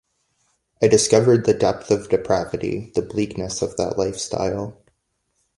I discovered the depth of depravity, the bleakness of that lifestyle.